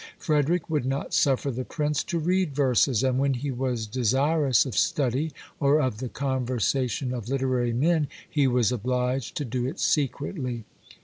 Frederic would not suffer the prince to read verses; and when he was desirous of study, or of the conversation of literary men, he was obliged to do it secretly.